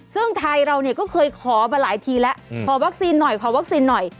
ซึ่งไทยเราเนี่ยก็เคยขอมาหลายทีแล้วขอวัคซีนหน่อยขอวัคซีนหน่อย